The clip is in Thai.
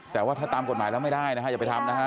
แต่ว่าถ้าตามกฎหมายแล้วไม่ได้นะฮะอย่าไปทำนะฮะ